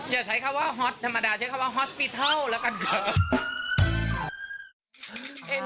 อย่าใช้คำว่าฮอตธรรมดาใช้คำว่าฮอตปิเทิลแล้วกันค่ะ